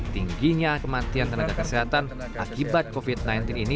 tingginya kematian tenaga kesehatan akibat covid sembilan belas ini